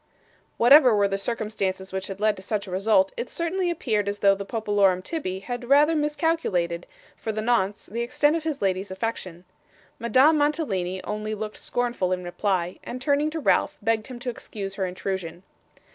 Whatever were the circumstances which had led to such a result, it certainly appeared as though the popolorum tibby had rather miscalculated, for the nonce, the extent of his lady's affection. Madame Mantalini only looked scornful in reply; and, turning to Ralph, begged him to excuse her intrusion.